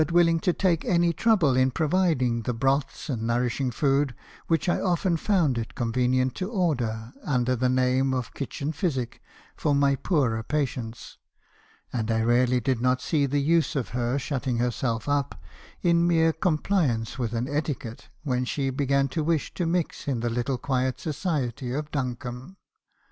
willing to take any trouble in providing the broths and nourish ing food which I often found it convenient to order, under the name of kitchen physic , for my poorer patients ; and I really did not see the use of her shutting herself up , in mere com pliance with an etiquette , when she began to wish to mix in the little quiet society of Duncombe.